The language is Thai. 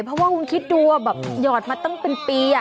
เพราะว่าคุณคิดดูว่าแบบหยอดมาตั้งเป็นปี